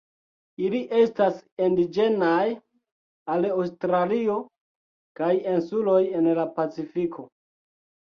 Ili estas indiĝenaj al Aŭstralio kaj insuloj en la Pacifiko.